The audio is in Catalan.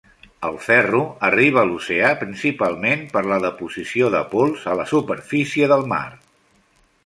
El ferro arriba a l'oceà principalment per la deposició de pols a la superfície del mar.